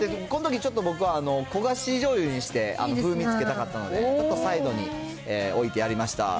このとき、ちょっと僕は焦がしじょうゆにして、風味つけたかったので、サイドに置いてやりました。